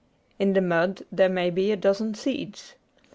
In the mud there may be a dozen seeds.